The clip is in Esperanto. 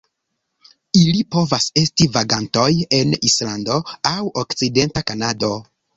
Ili povas esti vagantoj en Islando aŭ okcidenta Kanado.